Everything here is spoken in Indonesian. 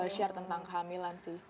share tentang kehamilan sih